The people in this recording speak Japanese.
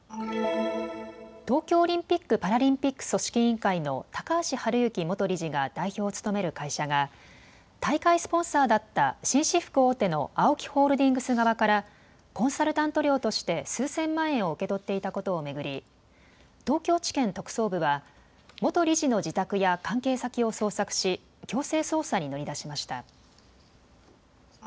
東京オリンピック・パラリンピック組織委員会の高橋治之元理事が代表を務める会社が大会スポンサーだった紳士服大手のＡＯＫＩホールディングス側からコンサルタント料として数千万円を受け取っていたことを巡り東京地検特捜部は元理事の自宅や関係先を捜索し強制捜査に乗り出しました。